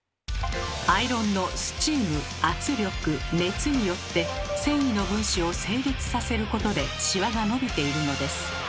アイロンのスチーム圧力熱によって繊維の分子を整列させることでシワが伸びているのです。